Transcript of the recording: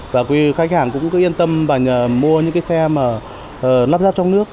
và khách hàng cũng cứ yên tâm và mua những xe lắp ráp trong nước